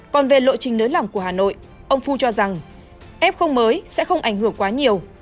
còn về lộ trình nới lỏng của hà nội ông fu cho rằng f không mới sẽ không ảnh hưởng quá nhiều